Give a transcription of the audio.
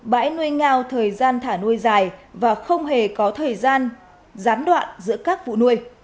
bãi nuôi ngao thời gian thả nuôi dài và không hề có thời gian gián đoạn giữa các vụ nuôi